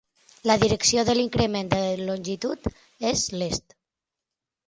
La direcció de l'increment de longitud és l'est.